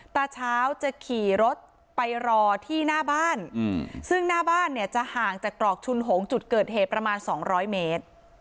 ตาเช้าจะขี่รถไปรอที่หน้าบ้านซึ่งหน้าบ้านเนี่ยจะห่างจากตรอกชุนหงจุดเกิดเหตุประมาณ๒๐๐เมตร